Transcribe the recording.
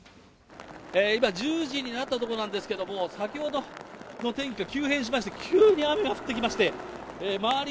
今、１０時になったところなんですけれども、先ほどの天気が急変しまして、急に雨が降ってきまして、周り